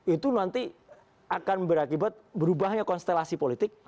itu nanti akan berakibat berubahnya konstelasi politik